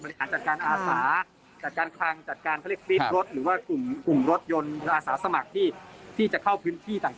บริหารจัดการอาษาจัดการคลั่งจัดการคลิปรถหรือว่ากลุ่มรถยนต์เฉพาะอาสาสมัครที่จะเข้าพื้นที่ต่าง